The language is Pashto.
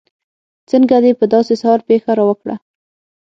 څنګه دې په داسې سهار پېښه راوکړه.